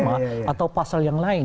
pasal yang lama atau pasal yang lain